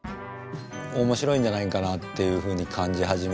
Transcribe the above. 面白いんじゃないかなっていうふうに感じ始めて。